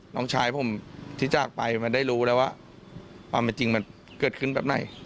น้องชายผมที่จากไปมันได้รู้แล้วว่าความเป็นจริงมันเกิดขึ้นแบบไหน